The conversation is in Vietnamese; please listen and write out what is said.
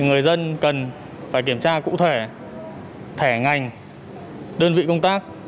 người dân cần phải kiểm tra cụ thể thẻ ngành đơn vị công tác